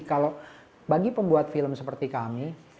kalau bagi pembuat film seperti kami